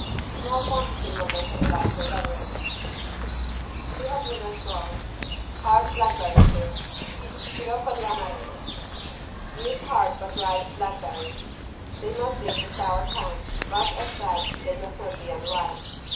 A small quantity will make a delightful beverage. 212 HARD BLACK BERRY SYRUP (Sciroppo di amarena) Use hard but ripe black berries. They must be of the sour kind but, as said, they must not be unripe.